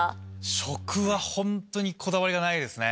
食は本当にこだわりがないですね。